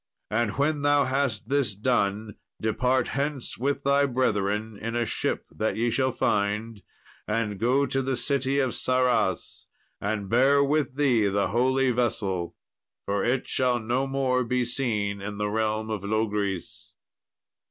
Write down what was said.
And when thou hast this done, depart hence with thy brethren in a ship that ye shall find, and go to the city of Sarras. And bear with thee the holy vessel, for it shall no more be seen in the realm of Logris."